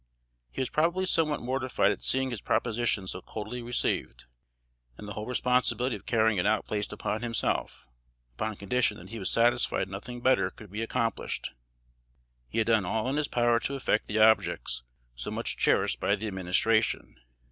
He was probably somewhat mortified at seeing his proposition so coldly received, and the whole responsibility of carrying it out placed upon himself, upon condition that he was satisfied nothing better could be accomplished. He had done all in his power to effect the objects so much cherished by the Administration.